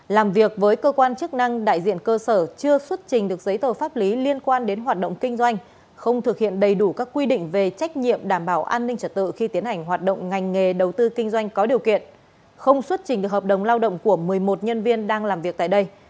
làm việc với cơ quan chức năng đại diện cơ sở chưa xuất trình được giấy tờ pháp lý liên quan đến hoạt động kinh doanh không thực hiện đầy đủ các quy định về trách nhiệm đảm bảo an ninh trật tự khi tiến hành hoạt động ngành nghề đầu tư kinh doanh có điều kiện không xuất trình được hợp đồng lao động của một mươi một nhân viên đang làm việc tại đây